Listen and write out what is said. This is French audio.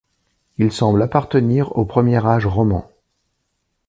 Il semble appartenir au premier âge roman.